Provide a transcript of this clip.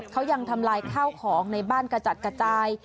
เขายังทำลายข้าวของในบ้านกระจัดกระจาย